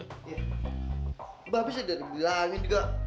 mbak be sudah dibilangin juga